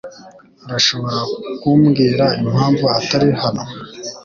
Urashobora kumbwira impamvu atari hano?